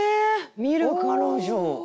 「見る彼女」。